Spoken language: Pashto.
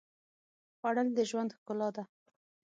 خوړل د ژوند ښکلا ده